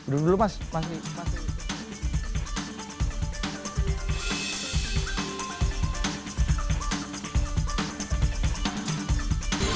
duduk dulu mas